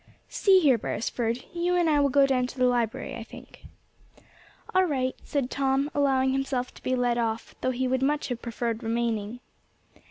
"See here, Beresford, you and I will go down to the library, I think." "All right," said Tom, allowing himself to be led off, though he would much have preferred remaining.